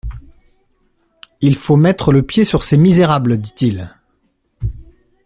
Il faut mettre le pied sur ces misérables, dit-il.